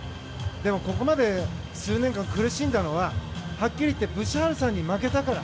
ここまで数年間苦しんだのははっきり言ってブシャールさんに負けたから。